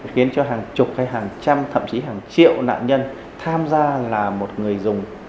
khiến cho hàng chục hay hàng trăm thậm chí hàng triệu nạn nhân tham gia là một người dùng